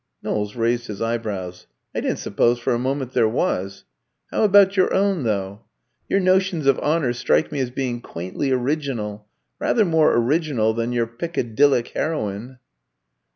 Knowles raised his eyebrows. "I didn't suppose for a moment there was. How about your own, though? Your notions of honour strike me as being quaintly original rather more original than your Piccadyllic heroine."